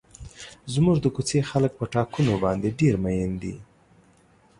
زموږ د کوڅې خلک په ټاکنو باندې ډېر مین دي.